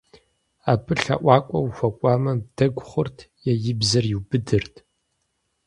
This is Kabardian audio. Абы лъэӀуакӀуэ ухуэкӀуэмэ, дэгу хъурт, е и бзэр иубыдырт.